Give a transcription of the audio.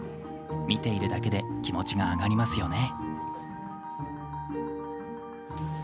見ているだけで気持ちが上がりますよね。